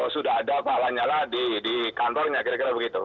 sudah ada pak lanyala di kantornya kira kira begitu